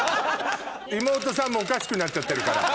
妹さんもおかしくなっちゃってるから。